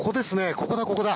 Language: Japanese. ここだ、ここだ。